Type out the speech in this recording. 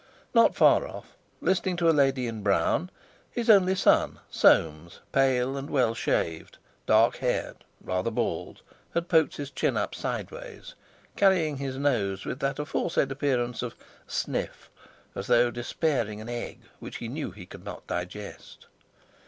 Not far off, listening to a lady in brown, his only son Soames, pale and well shaved, dark haired, rather bald, had poked his chin up sideways, carrying his nose with that aforesaid appearance of "sniff," as though despising an egg which he knew he could not digest.